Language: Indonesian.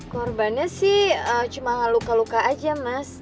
korbannya sih cuma luka luka aja mas